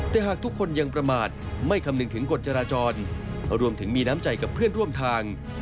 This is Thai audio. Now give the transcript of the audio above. แต่หากทุกคนยังประมาทไม่คำนึงถึงกฎจราจรรวมถึงมีน้ำใจกับเพื่อนร่วมทาง